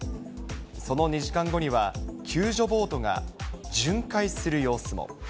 その２時間後には、救助ボートが巡回する様子も。